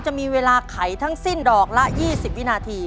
จะมีเวลาไขทั้งสิ้นดอกละ๒๐วินาที